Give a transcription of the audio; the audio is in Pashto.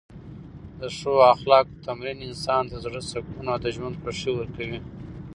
د ښو اخلاقو تمرین انسان ته د زړه سکون او د ژوند خوښۍ ورکوي.